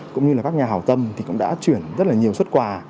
cũng như là các nhà hào tâm thì cũng đã chuyển rất là nhiều xuất quà